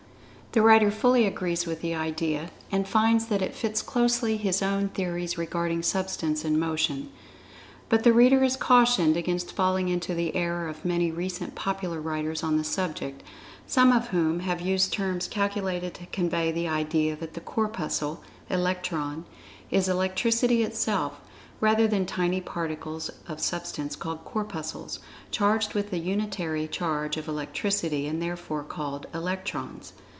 The writer fully agrees with this idea, and finds that it fits closely his own theories regarding Substance and Motion. But the reader is cautioned against falling into the error of many recent popular writers on the subject, some of whom have used terms calculated to convey the idea that the Corpuscle (Electron) is Electricity itself, rather than tiny particles of Substance called Corpuscles, charged with the unitary charge of Electricity,[Pg 75] and therefore called "Electrons."